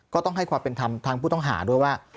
ก็ต้องให้ความเป็นธรรมทางผู้ต้องหาด้วยว่า